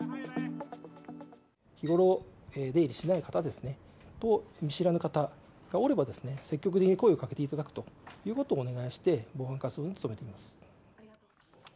日頃、出入りしない方ですね、と、見知らぬ方がおれば、積極的に声をかけていただくということをお願いして、防犯活動に努めています。